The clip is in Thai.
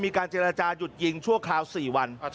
มีการเจรจาหยุดยิงชั่วคราว๔วัน